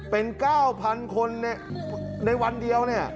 เป็น๙๐๐คนในวันเดียวเนี่ย